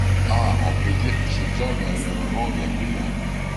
Ah ! on peut dire que cet homme a eu un moment bien brillant !